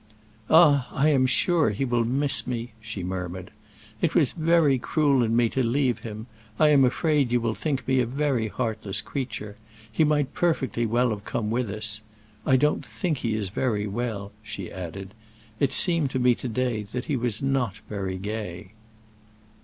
"Ah, I am sure he will miss me," she murmured. "It was very cruel in me to leave him; I am afraid you will think me a very heartless creature. He might perfectly well have come with us. I don't think he is very well," she added; "it seemed to me to day that he was not very gay."